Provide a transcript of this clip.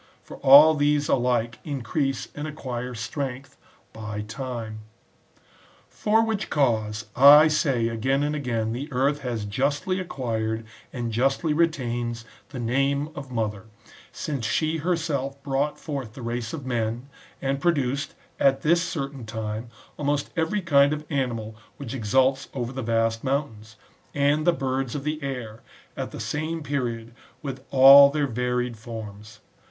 For all these alike increase and acquire strength by time. For which cause, / say again and again, the earth has justly acquired, and justly retains, the name of mother, since she herself brought forth the race of men, and produced, at this certain time, almost every kind of animal which exults over the vast mountains, and the birds of the air, at the same period, with all their varied forms.